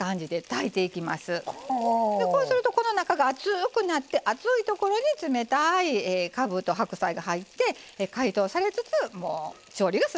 こうするとこの中が熱くなって熱いところに冷たいかぶと白菜が入って解凍されつつ調理が進んでいく。